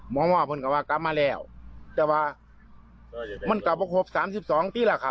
มหาวะพลกับว่ากลับมาแล้วแต่ว่ามันกลับมาครบ๓๒ปีละค่ะ